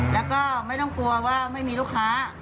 แล้วก็ไม่ต้องกลัวว่าไม่มีลูกค้า